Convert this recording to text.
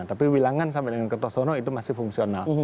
tapi wilangan sampai dengan kertosono itu masih fungsional